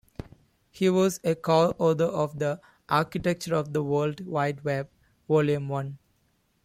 He was a co-author of the "Architecture of the World Wide Web, Volume One".